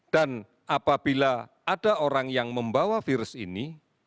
dan apabila ada orang yang membawa virus ini